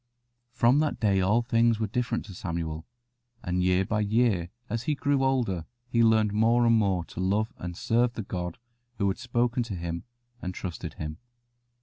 From that day all things were different to Samuel, and year by year as he grew older he learned more and more to love and serve the God who had spoken to him and trusted him.